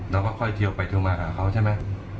เราก็ค่อยเทียวไปเทียวมากับเขาใช่ไหม